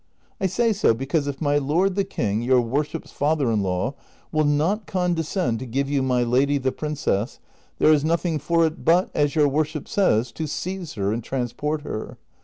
I say so because if my lord the king, your worship's father in law, Avill not condescend to give you my lady the princess, there is nothing for it but, as your worship says, to seize her and transport her.